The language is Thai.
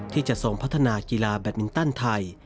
ที่จะทรงพัฒนากีฬาแบตมินตันไทย